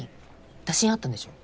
打診あったんでしょ？